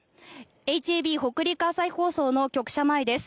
ＨＡＢ・北陸朝日放送の局社前です。